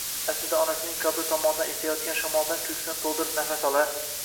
aslida onasining qabri tomondan esayotgan shamoldan ko'ksini to'ldirib nafas olar